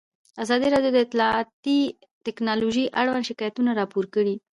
ازادي راډیو د اطلاعاتی تکنالوژي اړوند شکایتونه راپور کړي.